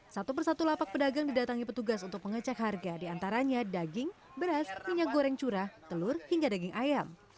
satu persatu lapak pedagang didatangi petugas untuk mengecek harga diantaranya daging beras minyak goreng curah telur hingga daging ayam